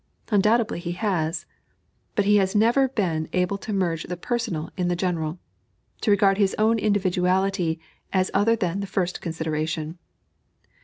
Undoubtedly he has. But he has never been able to merge the personal in the general to regard his own individuality as other than the first consideration.